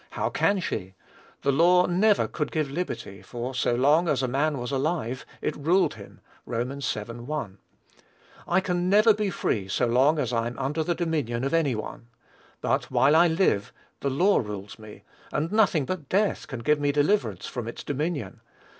How can she? The law never could give liberty, for so long as a man was alive it ruled him. (Rom. vii. 1.) I can never be free so long as I am under the dominion of any one. But while I live, the law rules me; and nothing but death can give me deliverance from its dominion.